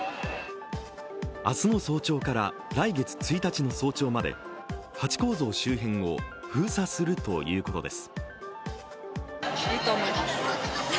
明日の早朝から来月１日の早朝までハチ公像周辺を封鎖するということです。